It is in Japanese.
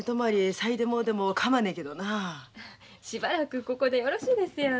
しばらくここでよろしいですやん。